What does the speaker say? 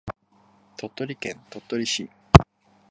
鳥取県鳥取市